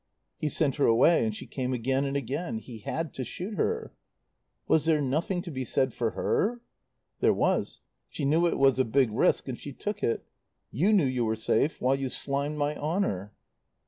"He sent her away and she came again and again. He had to shoot her." "Was there nothing to be said for her?" "There was. She knew it was a big risk and she took it. You knew you were safe while you slimed my honour."